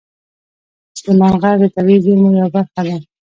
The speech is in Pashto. سلیمان غر د طبیعي زیرمو یوه برخه ده.